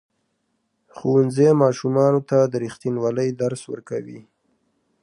ښوونځی ماشومانو ته د ریښتینولۍ درس ورکوي.